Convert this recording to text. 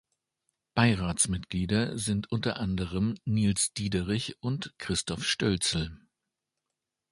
Beiratsmitglieder sind unter anderem Nils Diederich und Christoph Stölzl.